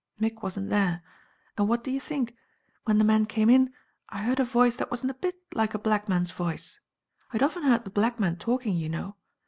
Mick wasn't there, and what do you think? When the men came in, I heard a voice that wasn't a bit like a black man's voice. I'd often heard the black men talking, you know.